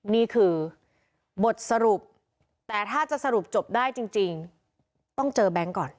นี่คือบทสรุปแต่ถ้าจะสรุปจบได้จริงต้องเจอแบงค์ก่อน